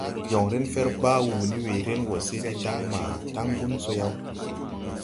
Joŋren fer baa wuu ne weeren wɔ se de daŋ maa taŋgun so yaw.